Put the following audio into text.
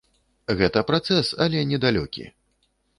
Гэта працэс, але не далёкі.